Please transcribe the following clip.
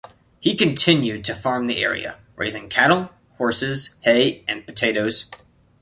He continued to farm the area, raising cattle, horses, hay, and potatoes.